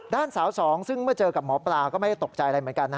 ด้านสาวสองซึ่งเมื่อเจอกับหมอปลาก็ไม่ได้ตกใจอะไรเหมือนกัน